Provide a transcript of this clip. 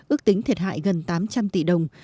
ước tính thiệt hại gần tám trăm linh tỷ đồng